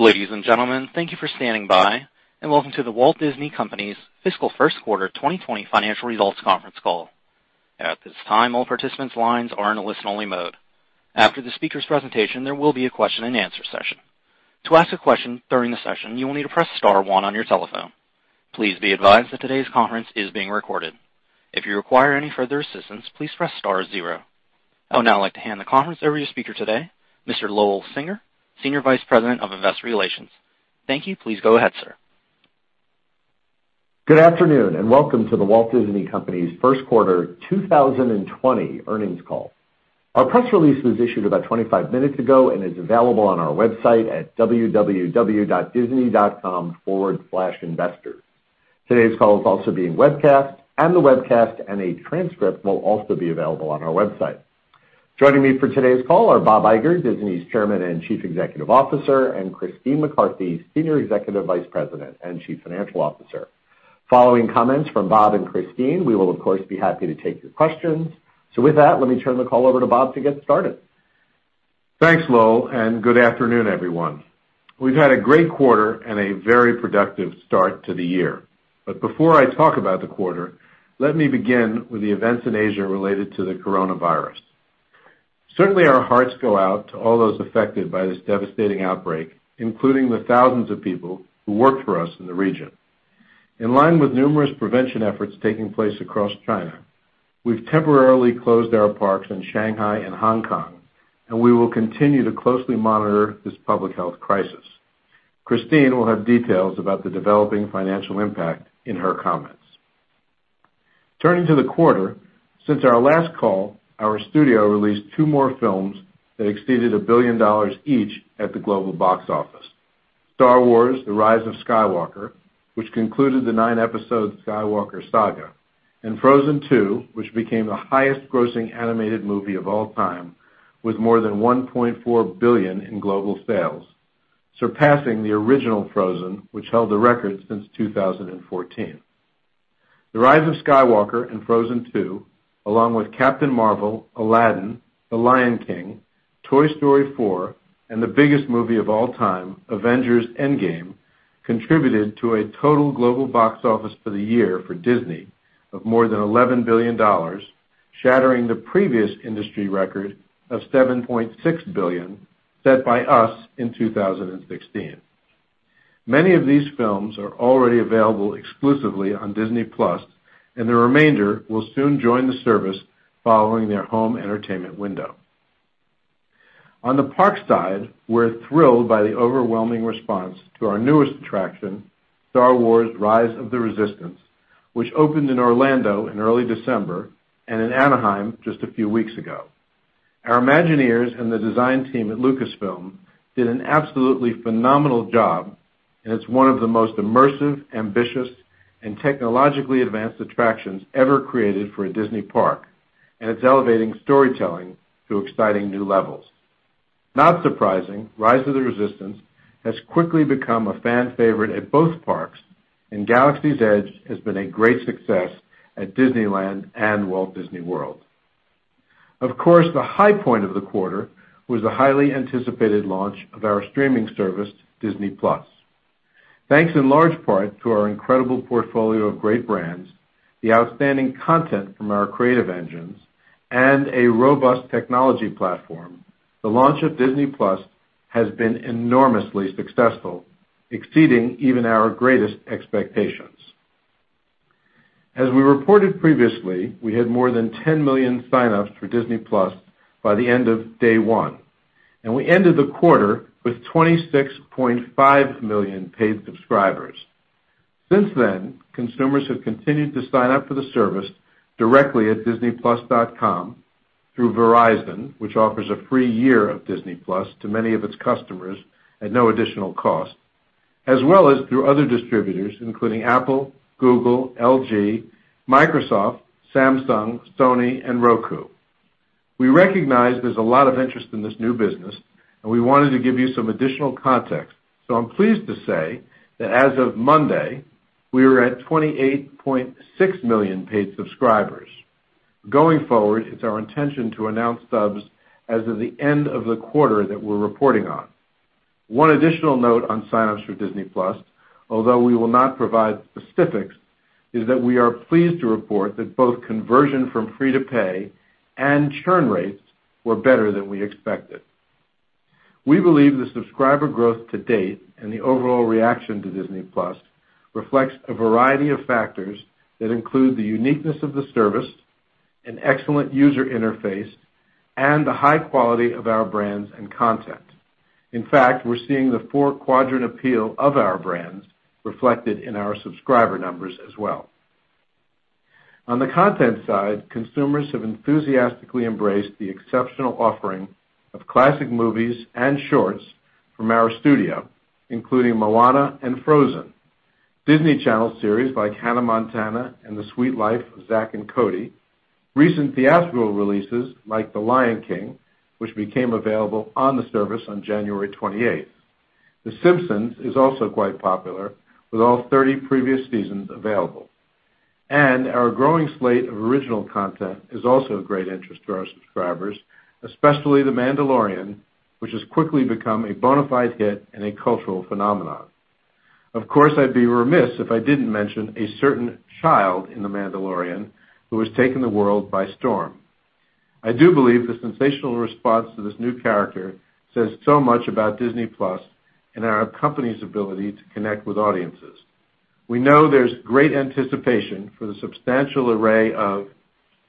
Ladies and gentlemen, thank you for standing by and welcome to The Walt Disney Company's Fiscal First Quarter 2020 Financial Results conference call. At this time, all participants' lines are in a listen-only mode. After the speaker's presentation, there will be a question and answer session. To ask a question during the session, you will need to press star one on your telephone. Please be advised that today's conference is being recorded. If you require any further assistance, please press star zero. I would now like to hand the conference over to your speaker today, Mr. Lowell Singer, Senior Vice President of Investor Relations. Thank you. Please go ahead, sir. Good afternoon and welcome to The Walt Disney Company's first quarter 2020 earnings call. Our press release was issued about 25 minutes ago and is available on our website at www.disney.com/investor. Today's call is also being webcast, and the webcast and a transcript will also be available on our website. Joining me for today's call are Bob Iger, Disney's Chairman and Chief Executive Officer, and Christine McCarthy, Senior Executive Vice President and Chief Financial Officer. Following comments from Bob and Christine, we will, of course, be happy to take your questions. With that, let me turn the call over to Bob to get started. Thanks, Lowell, and good afternoon, everyone. We've had a great quarter and a very productive start to the year. Before I talk about the quarter, let me begin with the events in Asia related to the coronavirus. Certainly, our hearts go out to all those affected by this devastating outbreak, including the thousands of people who work for us in the region. In line with numerous prevention efforts taking place across China, we've temporarily closed our parks in Shanghai and Hong Kong, and we will continue to closely monitor this public health crisis. Christine will have details about the developing financial impact in her comments. Turning to the quarter, since our last call, our studio released two more films that exceeded $1 billion each at the global box office. Star Wars: The Rise of Skywalker," which concluded the nine-episode Skywalker saga, and "Frozen 2," which became the highest-grossing animated movie of all time with more than $1.4 billion in global sales, surpassing the original "Frozen," which held the record since 2014. "The Rise of Skywalker" and "Frozen 2" along with "Captain Marvel," "Aladdin," "The Lion King," "Toy Story 4," and the biggest movie of all time, "Avengers: Endgame," contributed to a total global box office for the year for Disney of more than $11 billion, shattering the previous industry record of $7.6 billion set by us in 2016. Many of these films are already available exclusively on Disney+, and the remainder will soon join the service following their home entertainment window. On the parks side, we're thrilled by the overwhelming response to our newest attraction, Star Wars: Rise of the Resistance, which opened in Orlando in early December and in Anaheim just a few weeks ago. Our Imagineers and the design team at Lucasfilm did an absolutely phenomenal job, and it's one of the most immersive, ambitious, and technologically advanced attractions ever created for a Disney park, and it's elevating storytelling to exciting new levels. Not surprising, Rise of the Resistance has quickly become a fan favorite at both parks, and Galaxy's Edge has been a great success at Disneyland and Walt Disney World. Of course, the high point of the quarter was the highly anticipated launch of our streaming service, Disney+. Thanks in large part to our incredible portfolio of great brands, the outstanding content from our creative engines, and a robust technology platform, the launch of Disney+ has been enormously successful, exceeding even our greatest expectations. As we reported previously, we had more than 10 million sign-ups for Disney+ by the end of day one, and we ended the quarter with 26.5 million paid subscribers. Since then, consumers have continued to sign up for the service directly at disneyplus.com, through Verizon, which offers a free year of Disney+ to many of its customers at no additional cost, as well as through other distributors, including Apple, Google, LG, Microsoft, Samsung, Sony, and Roku. I'm pleased to say that as of Monday, we were at 28.6 million paid subscribers. Going forward, it's our intention to announce subs as of the end of the quarter that we're reporting on. One additional note on sign-ups for Disney+, although we will not provide specifics, is that we are pleased to report that both conversion from free to pay and churn rates were better than we expected. We believe the subscriber growth to date and the overall reaction to Disney+ reflects a variety of factors that include the uniqueness of the service, an excellent user interface, and the high quality of our brands and content. In fact, we're seeing the four-quadrant appeal of our brands reflected in our subscriber numbers as well. On the content side, consumers have enthusiastically embraced the exceptional offering of classic movies and shorts from our studio, including "Moana" and "Frozen," Disney Channel series like "Hannah Montana" and "The Suite Life of Zack & Cody," recent theatrical releases like "The Lion King," which became available on the service on January 28th. "The Simpsons" is also quite popular, with all 30 previous seasons available. Our growing slate of original content is also of great interest to our subscribers, especially "The Mandalorian," which has quickly become a bona fide hit and a cultural phenomenon. Of course, I'd be remiss if I didn't mention a certain child in "The Mandalorian" who has taken the world by storm. I do believe the sensational response to this new character says so much about Disney+ and our company's ability to connect with audiences. We know there's great anticipation for the substantial array of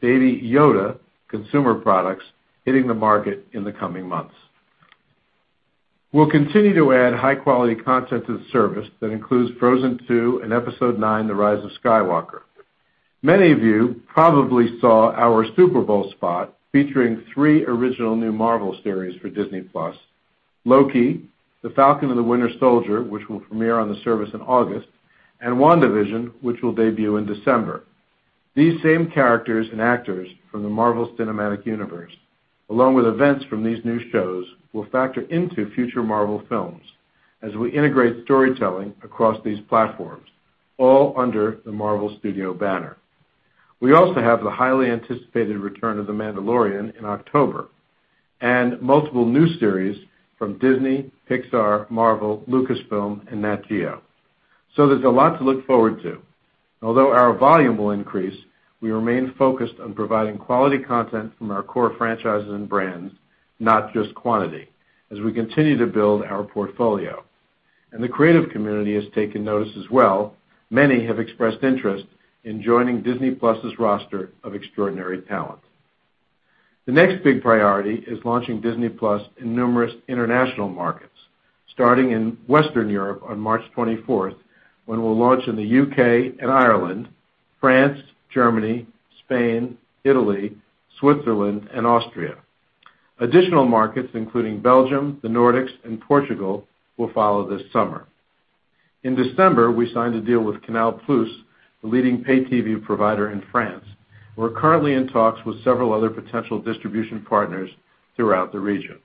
Baby Yoda consumer products hitting the market in the coming months. We'll continue to add high-quality content to the service that includes "Frozen 2" and "Episode IX: The Rise of Skywalker." Many of you probably saw our Super Bowl spot featuring three original new Marvel series for Disney+, "Loki," "The Falcon and the Winter Soldier," which will premiere on the service in August, and "WandaVision," which will debut in December. These same characters and actors from the Marvel Cinematic Universe, along with events from these new shows, will factor into future Marvel films as we integrate storytelling across these platforms, all under the Marvel Studios banner. We also have the highly anticipated return of "The Mandalorian" in October, and multiple new series from Disney, Pixar, Marvel, Lucasfilm and Nat Geo. There's a lot to look forward to. Although our volume will increase, we remain focused on providing quality content from our core franchises and brands, not just quantity, as we continue to build our portfolio. The creative community has taken notice as well. Many have expressed interest in joining Disney+'s roster of extraordinary talent. The next big priority is launching Disney+ in numerous international markets, starting in Western Europe on March 24th, when we'll launch in the U.K. and Ireland, France, Germany, Spain, Italy, Switzerland, and Austria. Additional markets, including Belgium, the Nordics, and Portugal, will follow this summer. In December, we signed a deal with Canal+ the leading pay TV provider in France. We're currently in talks with several other potential distribution partners throughout the region.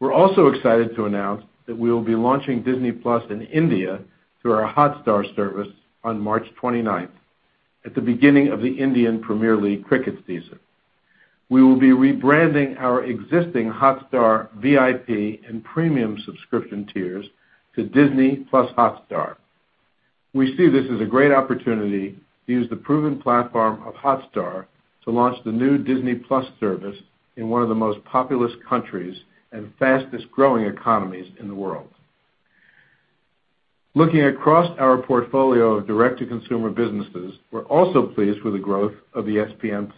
We're also excited to announce that we will be launching Disney+ in India through our Hotstar service on March 29th, at the beginning of the Indian Premier League cricket season. We will be rebranding our existing Hotstar VIP and premium subscription tiers to Disney+ Hotstar. We see this as a great opportunity to use the proven platform of Hotstar to launch the new Disney+ service in one of the most populous countries and fastest-growing economies in the world. Looking across our portfolio of direct-to-consumer businesses, we're also pleased with the growth of ESPN+.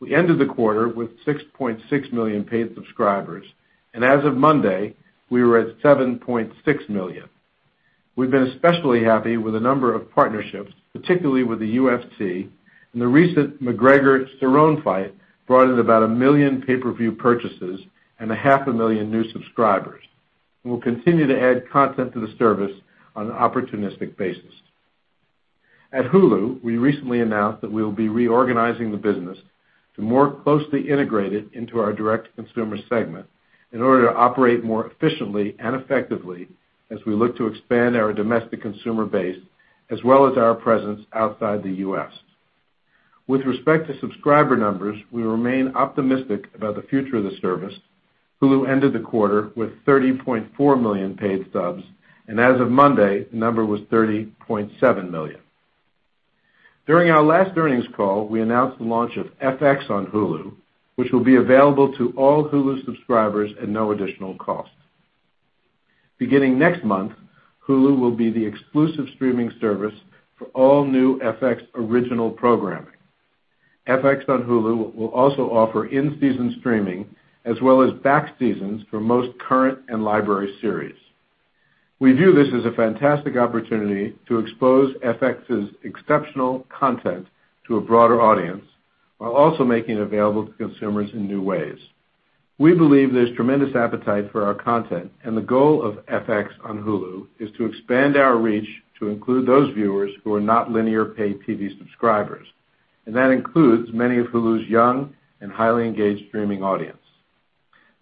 We ended the quarter with 6.6 million paid subscribers, and as of Monday, we were at 7.6 million. We've been especially happy with a number of partnerships, particularly with the UFC, and the recent McGregor-Cerrone fight brought in about 1 million pay-per-view purchases and a half a million new subscribers. We'll continue to add content to the service on an opportunistic basis. At Hulu, we recently announced that we will be reorganizing the business to more closely integrate it into our direct consumer segment in order to operate more efficiently and effectively as we look to expand our domestic consumer base, as well as our presence outside the U.S. With respect to subscriber numbers, we remain optimistic about the future of the service. Hulu ended the quarter with 30.4 million paid subs, and as of Monday, the number was 30.7 million. During our last earnings call, we announced the launch of FX on Hulu, which will be available to all Hulu subscribers at no additional cost. Beginning next month, Hulu will be the exclusive streaming service for all new FX original programming. FX on Hulu will also offer in-season streaming as well as back seasons for most current and library series. We view this as a fantastic opportunity to expose FX's exceptional content to a broader audience while also making it available to consumers in new ways. We believe there's tremendous appetite for our content, the goal of FX on Hulu is to expand our reach to include those viewers who are not linear paid TV subscribers, and that includes many of Hulu's young and highly engaged streaming audience.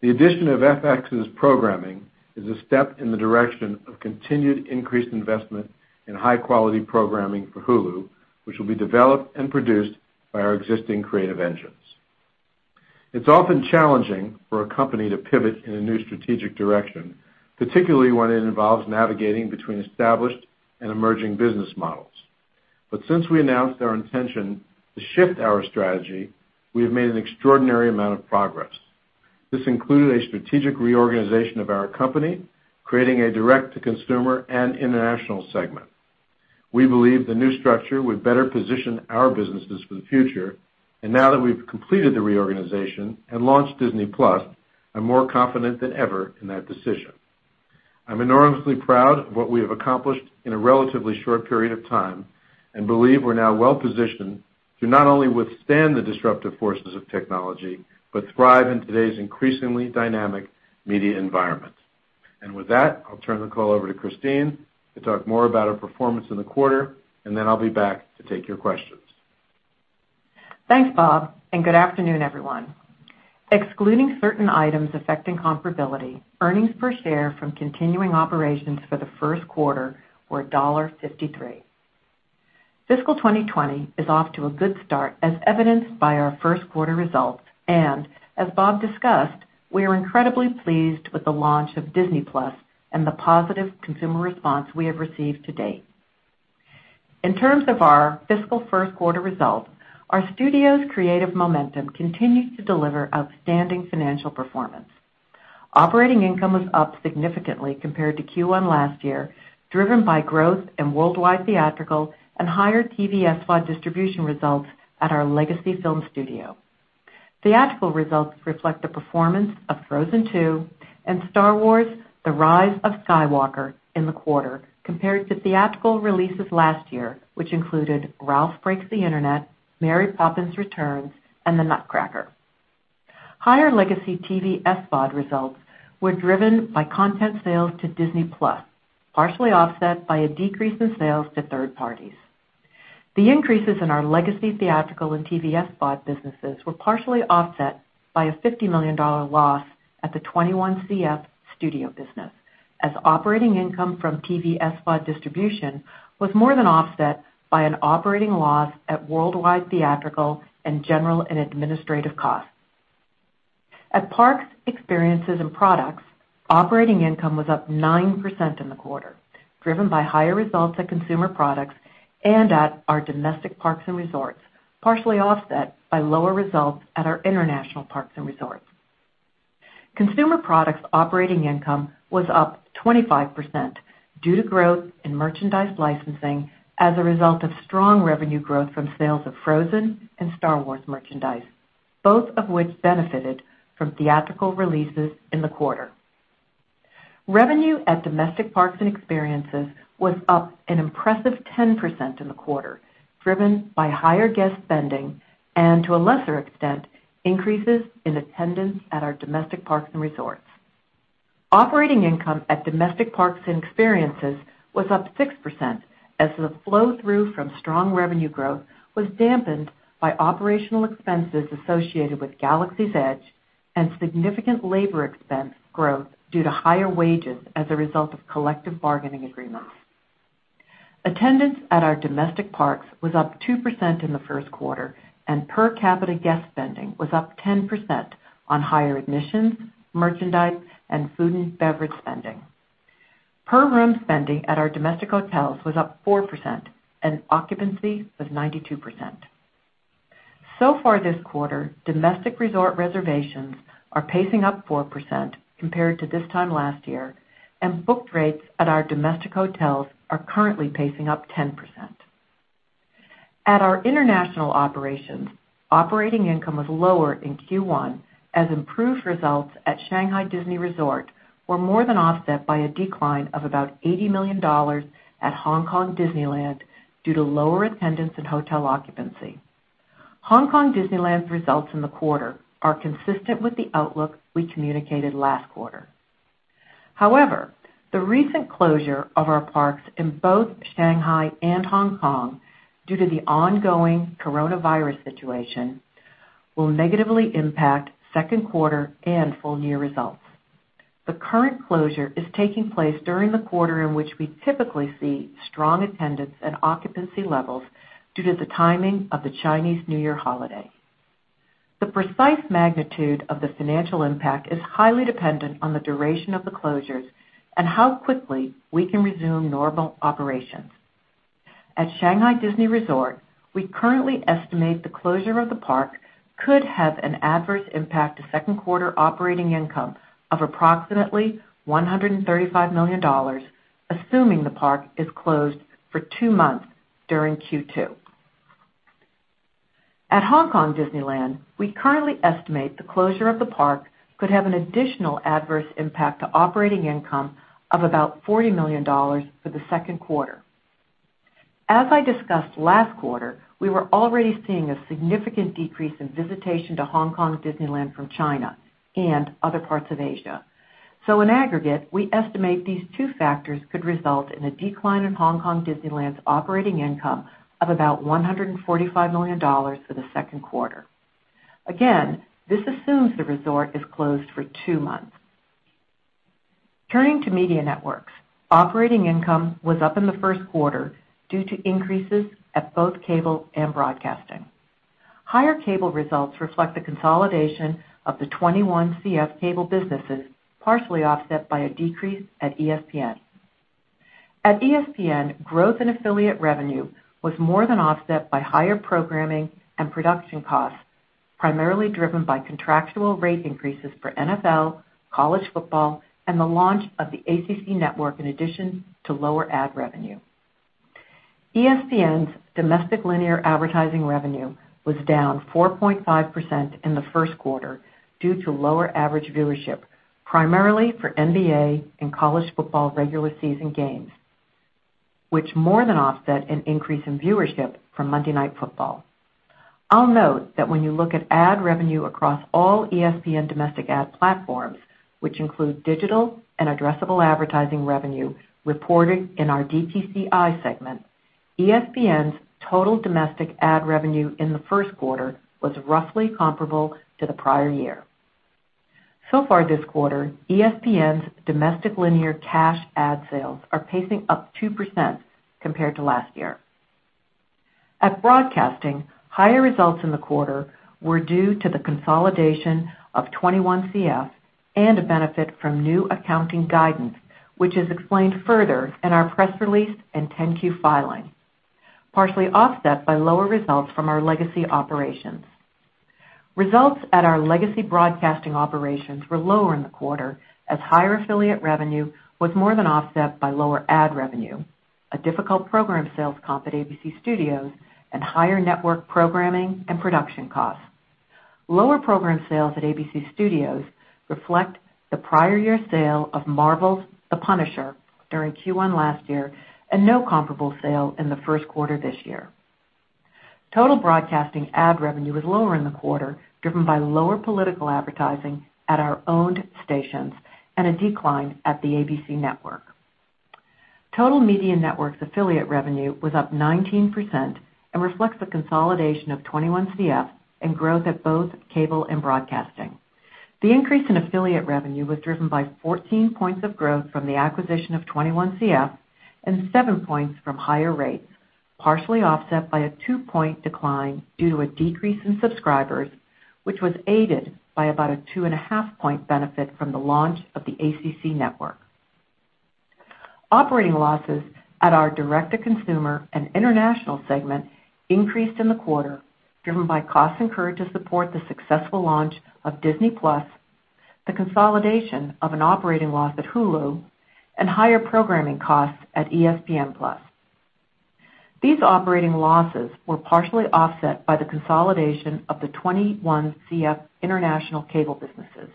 The addition of FX's programming is a step in the direction of continued increased investment in high-quality programming for Hulu, which will be developed and produced by our existing creative engines. It's often challenging for a company to pivot in a new strategic direction, particularly when it involves navigating between established and emerging business models. Since we announced our intention to shift our strategy, we have made an extraordinary amount of progress. This included a strategic reorganization of our company, creating a Direct-to-Consumer and International segment. We believe the new structure would better position our businesses for the future, and now that we've completed the reorganization and launched Disney+, I'm more confident than ever in that decision. I'm enormously proud of what we have accomplished in a relatively short period of time and believe we're now well-positioned to not only withstand the disruptive forces of technology, but thrive in today's increasingly dynamic media environment. With that, I'll turn the call over to Christine to talk more about our performance in the quarter, and then I'll be back to take your questions. Thanks, Bob, and good afternoon, everyone. Excluding certain items affecting comparability, earnings per share from continuing operations for the first quarter were $1.53. Fiscal 2020 is off to a good start, as evidenced by our first quarter results, and as Bob discussed, we are incredibly pleased with the launch of Disney+ and the positive consumer response we have received to date. In terms of our fiscal first quarter results, our studio's creative momentum continues to deliver outstanding financial performance. Operating income was up significantly compared to Q1 last year, driven by growth in worldwide theatrical and higher TV SVOD distribution results at our legacy film studio. Theatrical results reflect the performance of "Frozen 2" and "Star Wars: The Rise of Skywalker" in the quarter, compared to theatrical releases last year, which included "Ralph Breaks the Internet," "Mary Poppins Returns" and "The Nutcracker." Higher legacy TV SVOD results were driven by content sales to Disney+, partially offset by a decrease in sales to third parties. The increases in our legacy theatrical and TV SVOD businesses were partially offset by a $50 million loss at the 21CF Studio business, as operating income from TV SVOD distribution was more than offset by an operating loss at worldwide theatrical and general and administrative costs. At Parks, Experiences and Products, operating income was up 9% in the quarter, driven by higher results at Consumer Products and at our domestic parks and resorts, partially offset by lower results at our international parks and resorts. Consumer Products operating income was up 25% due to growth in merchandise licensing as a result of strong revenue growth from sales of Frozen and Star Wars merchandise, both of which benefited from theatrical releases in the quarter. Revenue at domestic parks and experiences was up an impressive 10% in the quarter, driven by higher guest spending and, to a lesser extent, increases in attendance at our domestic parks and resorts. Operating income at domestic parks and experiences was up 6% as the flow-through from strong revenue growth was dampened by operational expenses associated with Galaxy's Edge and significant labor expense growth due to higher wages as a result of collective bargaining agreements. Attendance at our domestic parks was up 2% in the first quarter, and per capita guest spending was up 10% on higher admissions, merchandise, and food and beverage spending. Per room spending at our domestic hotels was up 4%, and occupancy was 92%. So far this quarter, domestic resort reservations are pacing up 4% compared to this time last year, and booked rates at our domestic hotels are currently pacing up 10%. At our international operations, operating income was lower in Q1 as improved results at Shanghai Disney Resort were more than offset by a decline of about $80 million at Hong Kong Disneyland due to lower attendance and hotel occupancy. Hong Kong Disneyland's results in the quarter are consistent with the outlook we communicated last quarter. However, the recent closure of our parks in both Shanghai and Hong Kong due to the ongoing coronavirus situation will negatively impact second quarter and full-year results. The current closure is taking place during the quarter in which we typically see strong attendance and occupancy levels due to the timing of the Chinese New Year holiday. The precise magnitude of the financial impact is highly dependent on the duration of the closures and how quickly we can resume normal operations. At Shanghai Disney Resort, we currently estimate the closure of the park could have an adverse impact to second quarter operating income of approximately $135 million, assuming the park is closed for two months during Q2. At Hong Kong Disneyland, we currently estimate the closure of the park could have an additional adverse impact to operating income of about $40 million for the second quarter. As I discussed last quarter, we were already seeing a significant decrease in visitation to Hong Kong Disneyland from China and other parts of Asia. In aggregate, we estimate these two factors could result in a decline in Hong Kong Disneyland's operating income of about $145 million for the second quarter. Again, this assumes the resort is closed for two months. Turning to Media Networks, operating income was up in the first quarter due to increases at both cable and broadcasting. Higher cable results reflect the consolidation of the 21CF cable businesses, partially offset by a decrease at ESPN. At ESPN, growth in affiliate revenue was more than offset by higher programming and production costs, primarily driven by contractual rate increases for NFL, college football, and the launch of the ACC Network, in addition to lower ad revenue. ESPN's domestic linear advertising revenue was down 4.5% in the first quarter due to lower average viewership, primarily for NBA and college football regular season games, which more than offset an increase in viewership from Monday Night Football. I'll note that when you look at ad revenue across all ESPN domestic ad platforms, which include digital and addressable advertising revenue reported in our DTCI segment, ESPN's total domestic ad revenue in the first quarter was roughly comparable to the prior year. Far this quarter, ESPN's domestic linear cash ad sales are pacing up 2% compared to last year. At Broadcasting, higher results in the quarter were due to the consolidation of 21CF and a benefit from new accounting guidance, which is explained further in our press release and 10-Q filing, partially offset by lower results from our legacy operations. Results at our legacy broadcasting operations were lower in the quarter, as higher affiliate revenue was more than offset by lower ad revenue, a difficult program sales comp at ABC Studios, and higher network programming and production costs. Lower program sales at ABC Studios reflect the prior year sale of Marvel's "The Punisher" during Q1 last year, and no comparable sale in the first quarter this year. Total broadcasting ad revenue was lower in the quarter, driven by lower political advertising at our owned stations and a decline at the ABC network. Total Media Networks affiliate revenue was up 19% and reflects the consolidation of 21CF and growth at both cable and broadcasting. The increase in affiliate revenue was driven by 14 points of growth from the acquisition of 21CF and seven points from higher rates, partially offset by a two-point decline due to a decrease in subscribers, which was aided by about a two and a half point benefit from the launch of the ACC Network. Operating losses at our direct-to-consumer and international segment increased in the quarter, driven by costs incurred to support the successful launch of Disney+, the consolidation of an operating loss at Hulu, and higher programming costs at ESPN+. These operating losses were partially offset by the consolidation of the 21CF international cable businesses.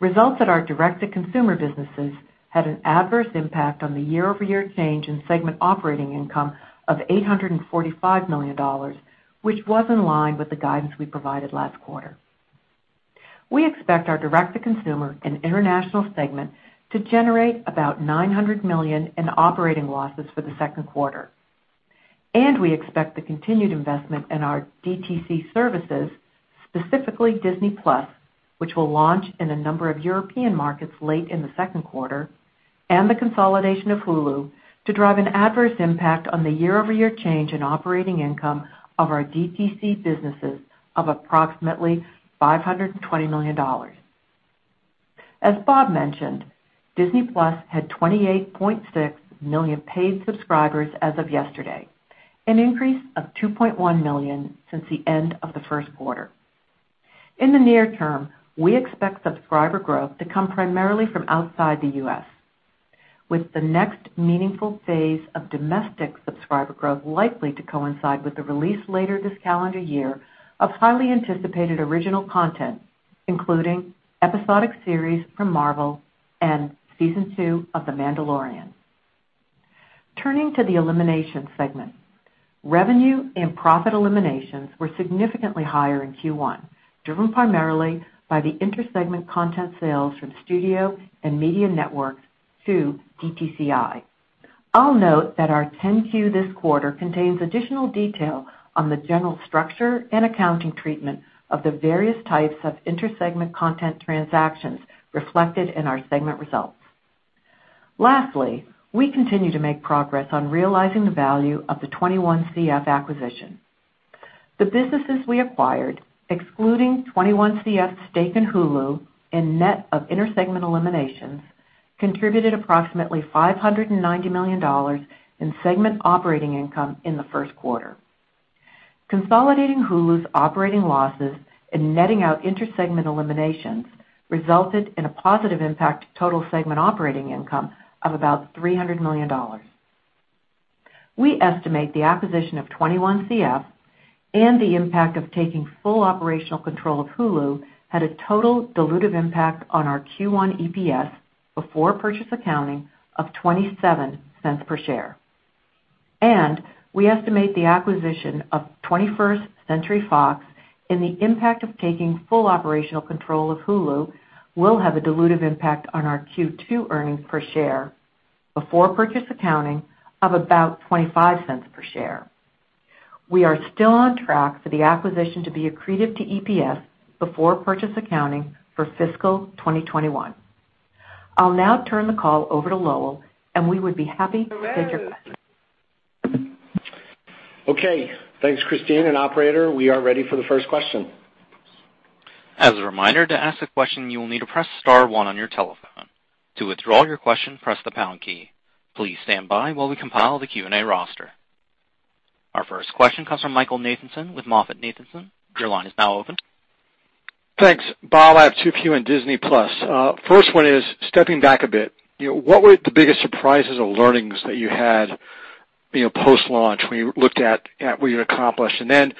Results at our direct-to-consumer businesses had an adverse impact on the year-over-year change in segment operating income of $845 million, which was in line with the guidance we provided last quarter. We expect our Direct-to-Consumer and International segment to generate about $900 million in operating losses for the second quarter, and we expect the continued investment in our DTC services, specifically Disney+, which will launch in a number of European markets late in the second quarter, and the consolidation of Hulu to drive an adverse impact on the year-over-year change in operating income of our DTC businesses of approximately $520 million. As Bob mentioned, Disney+ had 28.6 million paid subscribers as of yesterday, an increase of 2.1 million since the end of the first quarter. In the near term, we expect subscriber growth to come primarily from outside the U.S., with the next meaningful phase of domestic subscriber growth likely to coincide with the release later this calendar year of highly anticipated original content, including episodic series from Marvel and season two of "The Mandalorian." Turning to the elimination segment. Revenue and profit eliminations were significantly higher in Q1, driven primarily by the inter-segment content sales from Studio and Media Networks to DTCI. I'll note that our 10-Q this quarter contains additional detail on the general structure and accounting treatment of the various types of inter-segment content transactions reflected in our segment results. Lastly, we continue to make progress on realizing the value of the 21CF acquisition. The businesses we acquired, excluding 21CF's stake in Hulu and net of inter-segment eliminations, contributed approximately $590 million in segment operating income in the first quarter. Consolidating Hulu's operating losses and netting out inter-segment eliminations resulted in a positive impact to total segment operating income of about $300 million. We estimate the acquisition of 21CF and the impact of taking full operational control of Hulu had a total dilutive impact on our Q1 EPS before purchase accounting of $0.27 per share. We estimate the acquisition of 21st Century Fox and the impact of taking full operational control of Hulu will have a dilutive impact on our Q2 earnings per share before purchase accounting of about $0.25 per share. We are still on track for the acquisition to be accretive to EPS before purchase accounting for fiscal 2021. I'll now turn the call over to Lowell, and we would be happy to take your questions. Okay. Thanks, Christine and operator. We are ready for the first question. As a reminder, to ask a question, you will need to press star one on your telephone. To withdraw your question, press the pound key. Please stand by while we compile the Q&A roster. Our first question comes from Michael Nathanson with MoffettNathanson. Your line is now open. Thanks. Bob, I have two for you on Disney+. First one is, stepping back a bit, what were the biggest surprises or learnings that you had post-launch when you looked at what you'd accomplished? Then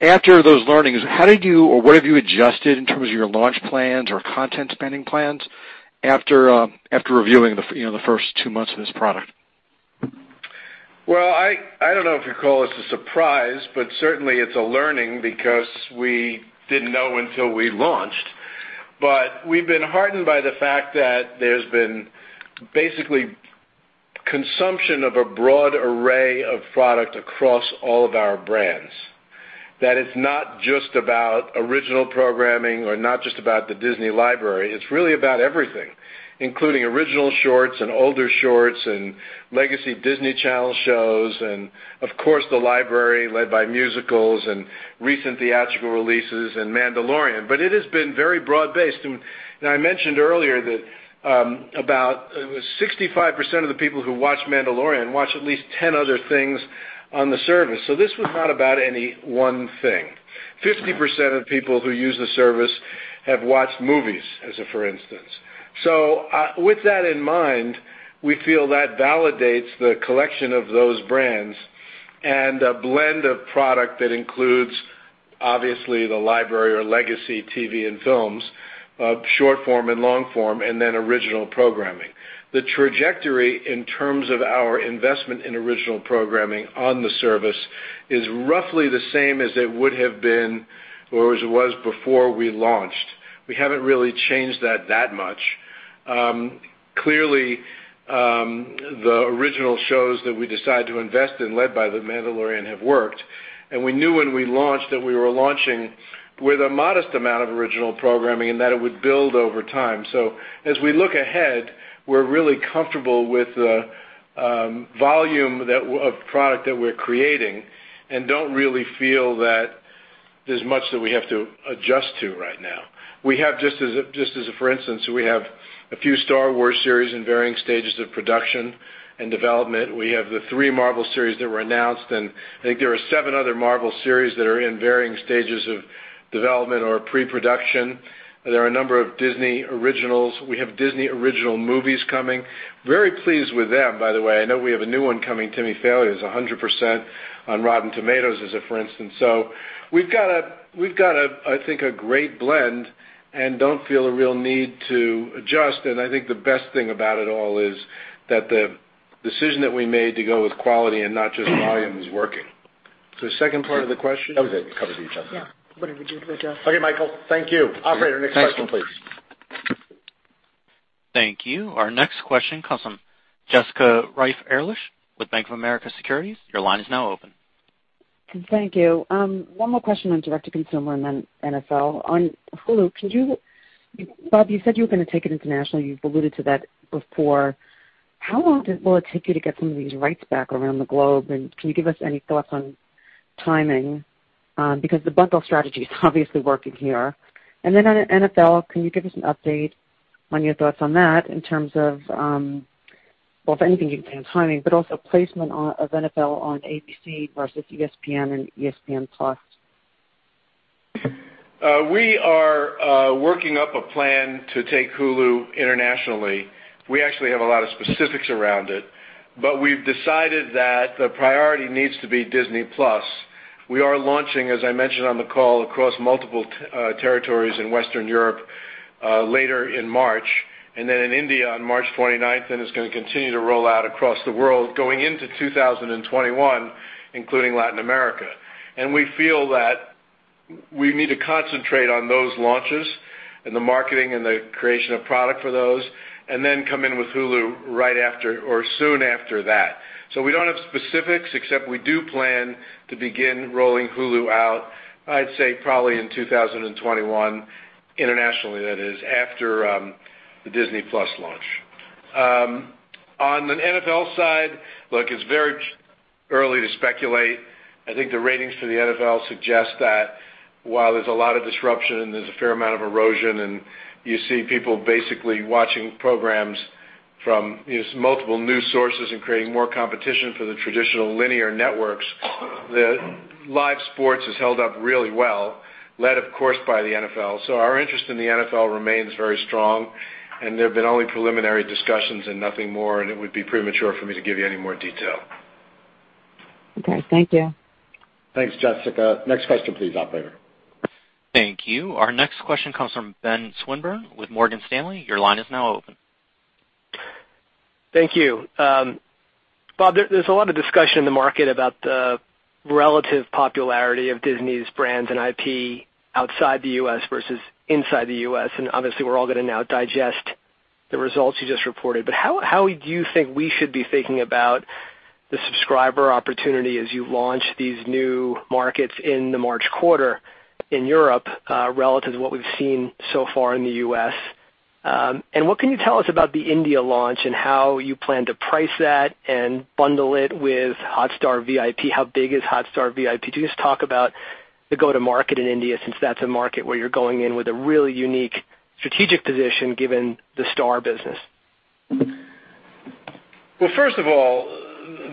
after those learnings, how did you or what have you adjusted in terms of your launch plans or content spending plans after reviewing the first two months of this product? Well, I don't know if you'd call this a surprise, but certainly it's a learning because we didn't know until we launched. We've been heartened by the fact that there's been basically consumption of a broad array of product across all of our brands. It's not just about original programming or not just about the Disney library, it's really about everything, including original shorts and older shorts and legacy Disney Channel shows and of course, the library led by musicals and recent theatrical releases and Mandalorian. It has been very broad-based and I mentioned earlier that about 65% of the people who watch Mandalorian watch at least 10 other things on the service. This was not about any one thing, 50% of people who use the service have watched movies, as a for instance. With that in mind, we feel that validates the collection of those brands and a blend of product that includes, obviously, the library or legacy TV and films of short form and long form, and then original programming. The trajectory in terms of our investment in original programming on the service is roughly the same as it would have been, or as it was before we launched. We haven't really changed that much. Clearly, the original shows that we decided to invest in led by The Mandalorian have worked, and we knew when we launched that we were launching with a modest amount of original programming and that it would build over time. As we look ahead, we're really comfortable with the volume of product that we're creating and don't really feel that there's much that we have to adjust to right now. Just as a for instance, we have a few Star Wars series in varying stages of production and development. We have the three Marvel series that were announced. I think there are seven other Marvel series that are in varying stages of development or pre-production. There are a number of Disney originals. We have Disney original movies coming. Very pleased with them, by the way. I know we have a new one coming, Timmy Failure, is 100% on Rotten Tomatoes as a for instance. We've got, I think, a great blend and don't feel a real need to adjust. I think the best thing about it all is that the decision that we made to go with quality and not just volume is working. Second part of the question? Oh, they covered each other. Yeah. Okay, Michael, thank you. Operator, next question, please. Thank you. Our next question comes from Jessica Reif Ehrlich with Bank of America Securities. Your line is now open. Thank you. One more question on direct to consumer and then NFL. On Hulu, Bob, you said you were going to take it international. You've alluded to that before. How long will it take you to get some of these rights back around the globe, and can you give us any thoughts on timing? The bundle strategy is obviously working here. On NFL, can you give us an update on your thoughts on that in terms of well, if anything, you can on timing, but also placement of NFL on ABC versus ESPN and ESPN+. We are working up a plan to take Hulu internationally. We actually have a lot of specifics around it. We've decided that the priority needs to be Disney+. We are launching, as I mentioned on the call, across multiple territories in Western Europe later in March, then in India on March 29th, and it's going to continue to roll out across the world going into 2021, including Latin America. We feel that we need to concentrate on those launches and the marketing and the creation of product for those, then come in with Hulu right after or soon after that. We don't have specifics, except we do plan to begin rolling Hulu out, I'd say probably in 2021 internationally, that is, after the Disney+ launch. On the NFL side, look, it's very early to speculate. I think the ratings for the NFL suggest that while there's a lot of disruption, there's a fair amount of erosion, and you see people basically watching programs from multiple news sources and creating more competition for the traditional linear networks. The live sports has held up really well, led, of course, by the NFL. Our interest in the NFL remains very strong, and there have been only preliminary discussions and nothing more, and it would be premature for me to give you any more detail. Okay. Thank you. Thanks, Jessica. Next question, please, operator. Thank you. Our next question comes from Ben Swinburne with Morgan Stanley. Your line is now open. Thank you. Bob, there's a lot of discussion in the market about the relative popularity of Disney's brands and IP outside the U.S. versus inside the U.S., and obviously, we're all going to now digest the results you just reported. How do you think we should be thinking about the subscriber opportunity as you launch these new markets in the March quarter in Europe relative to what we've seen so far in the U.S.? What can you tell us about the India launch and how you plan to price that and bundle it with Hotstar VIP? How big is Hotstar VIP? Could you just talk about the go-to-market in India, since that's a market where you're going in with a really unique strategic position, given the Star business? First of all,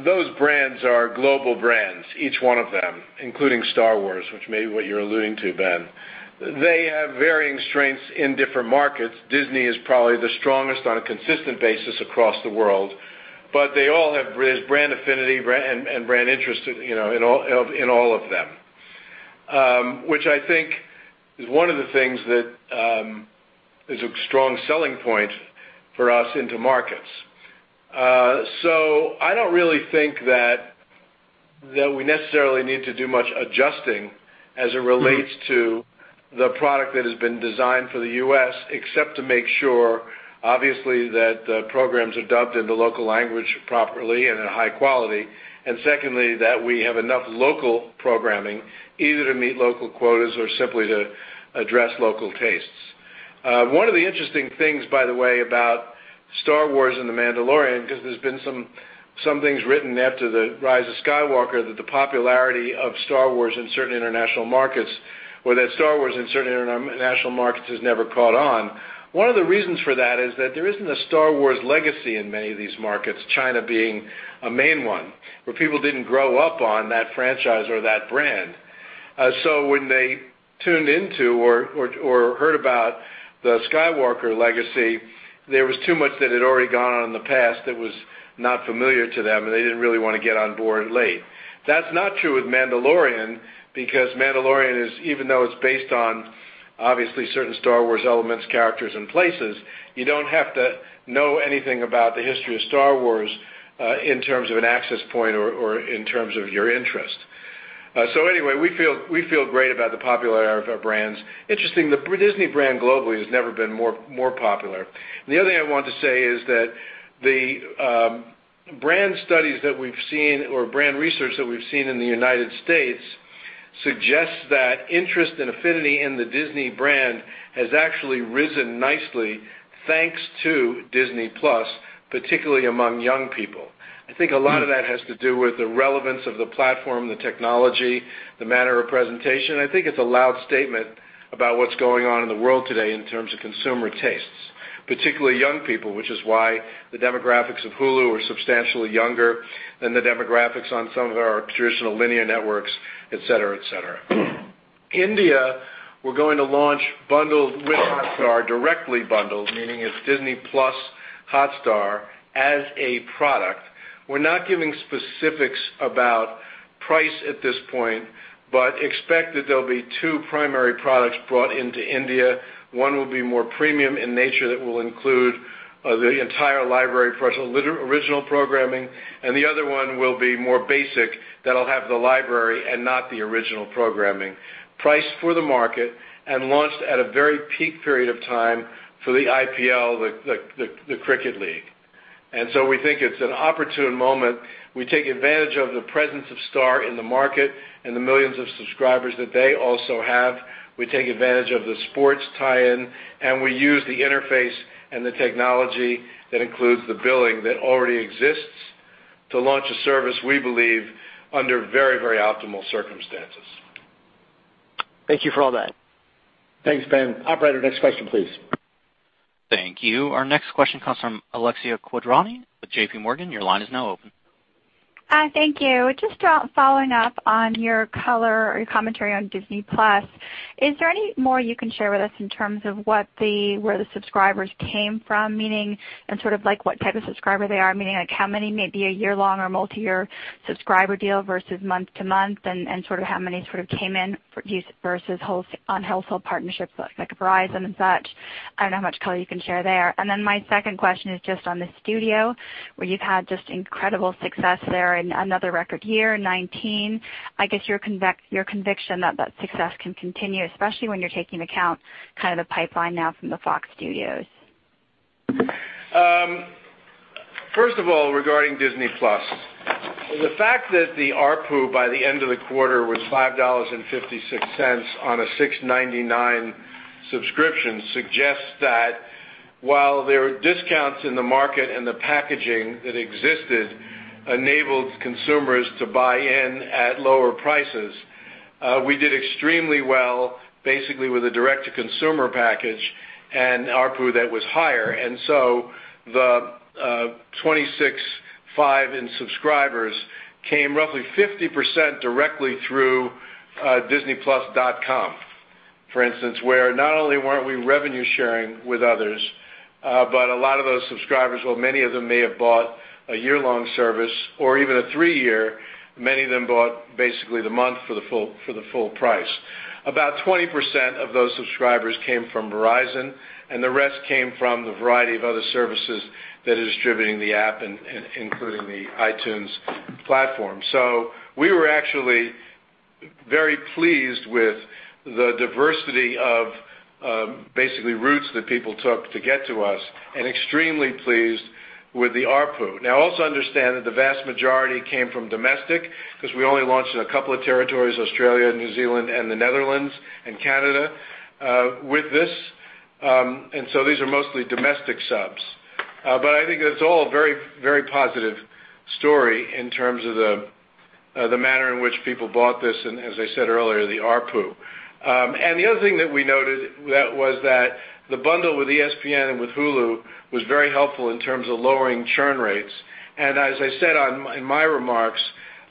those brands are global brands, each one of them, including Star Wars, which may be what you're alluding to, Ben. They have varying strengths in different markets. Disney is probably the strongest on a consistent basis across the world, but they all have brand affinity and brand interest in all of them, which I think is one of the things that is a strong selling point for us into markets. I don't really think that we necessarily need to do much adjusting as it relates to the product that has been designed for the U.S., except to make sure, obviously, that the programs are dubbed in the local language properly and in high quality, and secondly, that we have enough local programming, either to meet local quotas or simply to address local tastes. One of the interesting things, by the way, about Star Wars and The Mandalorian, because there's been some things written after the Rise of Skywalker that the popularity of Star Wars in certain international markets, or that Star Wars in certain international markets has never caught on. One of the reasons for that is that there isn't a Star Wars legacy in many of these markets, China being a main one, where people didn't grow up on that franchise or that brand. When they tuned into or heard about the Skywalker Legacy, there was too much that had already gone on in the past that was not familiar to them, and they didn't really want to get on board late. That's not true with Mandalorian because Mandalorian is, even though it's based on obviously certain Star Wars elements, characters, and places, you don't have to know anything about the history of Star Wars in terms of an access point or in terms of your interest. Anyway, we feel great about the popularity of our brands. Interesting, the Disney brand globally has never been more popular. The other thing I want to say is that the brand studies that we've seen or brand research that we've seen in the U.S. suggests that interest and affinity in the Disney brand has actually risen nicely thanks to Disney+, particularly among young people. I think a lot of that has to do with the relevance of the platform, the technology, the manner of presentation. I think it's a loud statement about what's going on in the world today in terms of consumer tastes, particularly young people, which is why the demographics of Hulu are substantially younger than the demographics on some of our traditional linear networks, et cetera. India, we're going to launch bundled with Hotstar directly bundled, meaning it's Disney+ Hotstar as a product. We're not giving specifics about price at this point, but expect that there'll be two primary products brought into India. One will be more premium in nature that will include the entire library plus original programming, and the other one will be more basic that'll have the library and not the original programming. Priced for the market and launched at a very peak period of time for the IPL, the cricket league. We think it's an opportune moment. We take advantage of the presence of Star in the market and the millions of subscribers that they also have. We take advantage of the sports tie-in, and we use the interface and the technology that includes the billing that already exists to launch a service, we believe, under very optimal circumstances. Thank you for all that. Thanks, Ben. Operator, next question, please. Thank you. Our next question comes from Alexia Quadrani with JPMorgan. Your line is now open. Hi, thank you. Just following up on your color or your commentary on Disney+. Is there any more you can share with us in terms of where the subscribers came from? Meaning and sort of like what type of subscriber they are, meaning like how many may be a year-long or multi-year subscriber deal versus month to month, and sort of how many came in versus on household partnerships like Verizon and such. I don't know how much color you can share there. Then my second question is just on the studio, where you've had just incredible success there in another record year in 2019. I guess your conviction that success can continue, especially when you're taking account the pipeline now from the Fox Studios. First of all, regarding Disney+, the fact that the ARPU by the end of the quarter was $5.56 on a $6.99 subscription suggests that while there are discounts in the market and the packaging that existed enabled consumers to buy in at lower prices, we did extremely well basically with a direct-to-consumer package and ARPU that was higher. The 26.5 million subscribers came roughly 50% directly through disneyplus.com, for instance, where not only weren't we revenue sharing with others, but a lot of those subscribers, while many of them may have bought a year-long service or even a three-year, many of them bought basically the month for the full price. About 20% of those subscribers came from Verizon, and the rest came from the variety of other services that are distributing the app, including the iTunes platform. We were actually very pleased with the diversity of basically routes that people took to get to us and extremely pleased with the ARPU. Also understand that the vast majority came from domestic because we only launched in a couple of territories, Australia, New Zealand, and the Netherlands, and Canada with this. These are mostly domestic subs. I think that it's all a very positive story in terms of the manner in which people bought this and as I said earlier, the ARPU. The other thing that we noted was that the bundle with ESPN and with Hulu was very helpful in terms of lowering churn rates. As I said in my remarks,